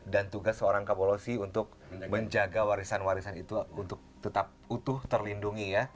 dan tugas seorang kabolosi untuk menjaga warisan warisan itu untuk tetap utuh terlindungi